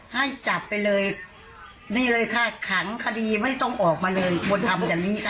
ให้จับไปเลยนี่เลยค่ะขังคดีไม่ต้องออกมาเลยควรทำอย่างนี้